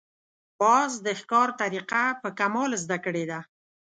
باز د ښکار طریقه په کمال زده کړې ده